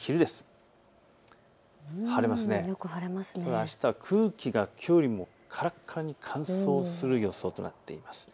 あしたは空気がきょうよりもからからに乾燥する予想になっています。